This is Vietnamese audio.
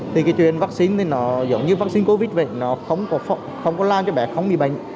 thì cái chuyện vắc xin thì nó giống như vắc xin covid vậy nó không có làm cho bé không bị bệnh